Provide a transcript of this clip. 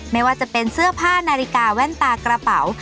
ไม่ว่าจะเป็นเสื้อผ้านาฬิกาแว่นตากระเป๋า